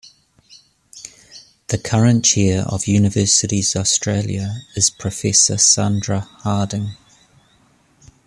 The current chair of Universities Australia is Professor Sandra Harding.